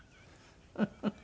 フフフフ！